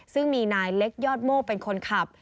ซึ่งมีนายเล็กยอดโม่เป็นคนขับ